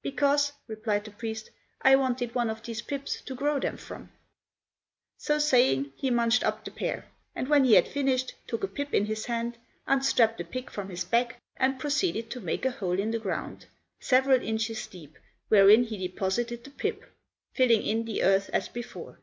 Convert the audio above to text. "Because," replied the priest, "I wanted one of these pips to grow them from." So saying, he munched up the pear; and when he had finished took a pip in his hand, unstrapped a pick from his back, and proceeded to make a hole in the ground, several inches deep, wherein he deposited the pip, filling in the earth as before.